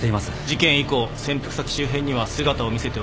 事件以降潜伏先周辺には姿を見せておりません。